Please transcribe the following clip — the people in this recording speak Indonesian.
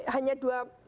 hanya dua minggu